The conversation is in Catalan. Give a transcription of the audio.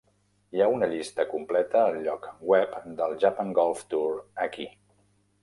Hi ha una llista completa al lloc web del Japan Golf Tour aquí.